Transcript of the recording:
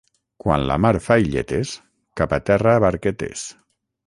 Quan la mar fa illetes, cap a terra barquetes.